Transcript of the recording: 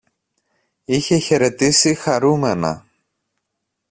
Είχε χαιρετήσει χαρούμενα